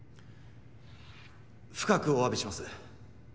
深くお詫びします。